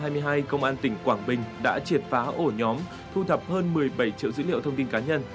tháng một mươi hai năm hai nghìn hai mươi hai công an tỉnh quảng bình đã triệt phá ổ nhóm thu thập hơn một mươi bảy triệu dữ liệu thông tin cá nhân